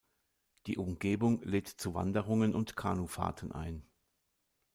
Die Umgebung lädt zu Wanderungen und Kanufahrten ein.